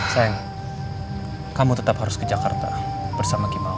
sayang kamu tetap harus ke jakarta bersama kimau